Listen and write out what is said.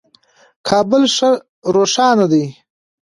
کابل ښه روښانه دی.